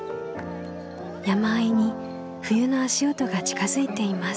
山あいに冬の足音が近づいています。